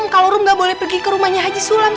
kalau umi ngga boleh ke rumah si sulap